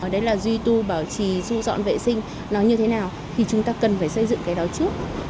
đấy là duy tu bảo trì thu dọn vệ sinh nó như thế nào thì chúng ta cần phải xây dựng cái đó trước